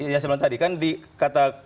ya sebenarnya tadi kan di kata